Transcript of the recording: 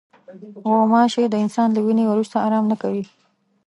غوماشې د انسان له وینې وروسته آرام نه کوي.